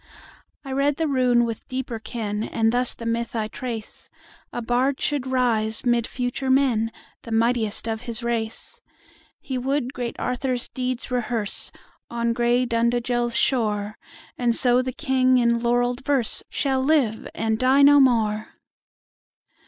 I read the rune with deeper ken, And thus the myth I trace:—A bard should rise, mid future men, The mightiest of his race. He would great Arthur's deeds rehearseOn gray Dundagel's shore; And so the King in laurell'd verseShall live, and die no more!